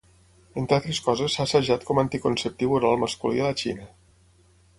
Entre altres coses s'ha assajat com anticonceptiu oral masculí a la Xina.